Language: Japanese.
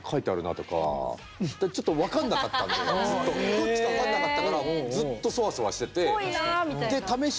どっちか分かんなかったからずっとソワソワしてて。